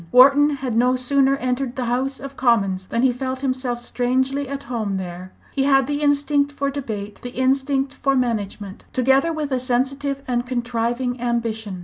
Wharton had no sooner entered the House of Commons than he felt himself strangely at home there. He had the instinct for debate, the instinct for management, together with a sensitive and contriving ambition.